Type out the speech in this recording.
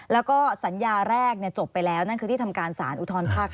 แล้วก็สัญญาแรกจบไปแล้วนั่นคือที่ทำการสารอุทธรภาค๕